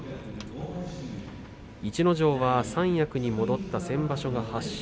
逸ノ城は三役に戻った先場所が８勝。